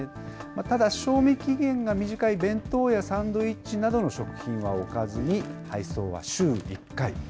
ただ、賞味期限が短い弁当やサンドイッチなどの食品は置かずに、配送は週１回。